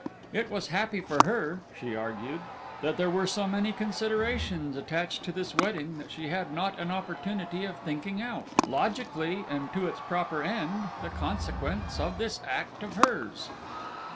It was happy for her (she argued) that there were so many considerations attached to this wedding that she had not an opportunity of thinking out, logically and to its proper end, the consequence of this act of hers.